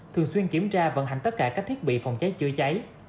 thường xuyên kiểm tra vận hành tất cả các thiết bị phòng cháy chữa cháy